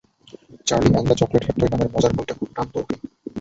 Charlie and the Chocolate Factory নামের মজার বইটা খুব টানত ওকে।